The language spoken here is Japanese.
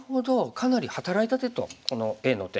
かなり働いた手とこのＡの手。